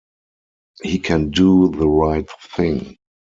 He can do the right thing.